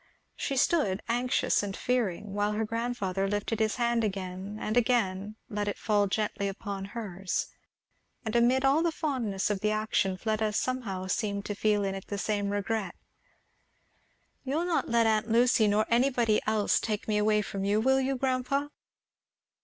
She stood, anxious and fearing, while her grandfather lifting his hand again and again let it fall gently upon hers; and amid all the fondness of the action Fleda somehow seemed to feel in it the same regret. "You'll not let aunt Lucy, nor anybody else, take me away from you, will you, grandpa?"